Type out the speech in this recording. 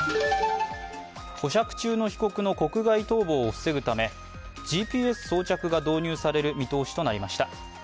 保釈中の被告の国外逃亡を防ぐためＧＰＳ装着が導入される見通しとなりました。